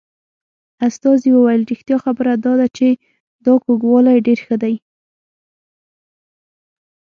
استازي وویل رښتیا خبره دا ده چې دا کوږوالی ډېر ښه دی.